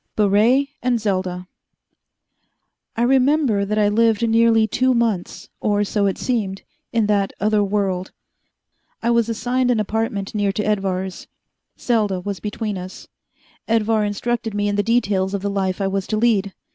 Baret and Selda I remember that I lived nearly two months or so it seemed in that other world. I was assigned an apartment near to Edvar's Selda was between us. Edvar instructed me in the details of the life I was to lead.